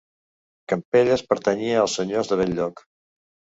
Campelles pertanyia als senyors de Bell-lloc.